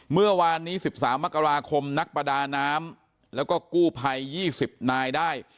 เมื่อวานนี้๑๓มกราคมนักประดาน้ำแล้วก็กู้ภัย๒๐นายได้